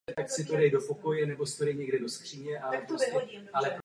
Tato katastrofa se projevila na propadu tržeb.